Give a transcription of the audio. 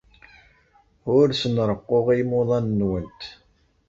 Ur asen-reqquɣ i yimuḍinen-nwent.